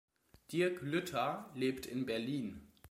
Dirk Lütter lebt in Berlin.